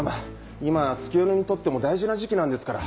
今は月夜野にとっても大事な時期なんですから。